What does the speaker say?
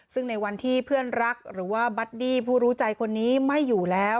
ซึ่งในวันที่เพื่อนรักหรือว่าบัดดี้ผู้รู้ใจคนนี้ไม่อยู่แล้ว